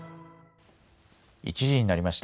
１時になりました。